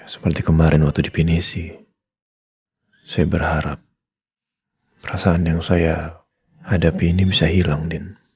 seperti kemarin waktu definisi saya berharap perasaan yang saya hadapi ini bisa hilang